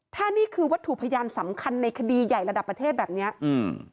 ถ้านี่คือวัตถุพยานสำคัญในคดีใหญ่ระดับประเทศแบบเนี้ยอืม